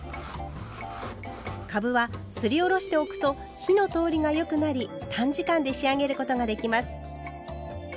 かぶはすりおろしておくと火の通りがよくなり短時間で仕上げることができます。